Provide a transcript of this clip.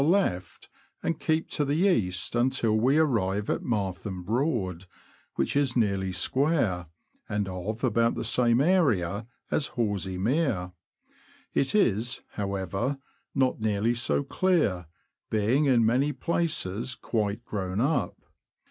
ie left, and keep to the east until we arrive at Martham Broad, which is nearly square, and of about the same area as Horsey Mere ; it is, however, not nearly so clear, being in many places quite grown up.